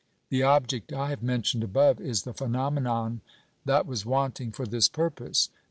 The object I have mentioned above is the phenomenon that was wanting for this purpose.